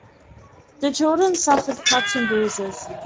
The children suffered cuts and bruises.